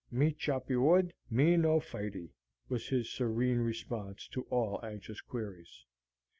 "Me choppee wood, me no fightee," was his serene response to all anxious queries.